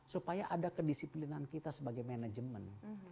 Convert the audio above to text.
supaya ada kedisiplinan kita sebagai manajemen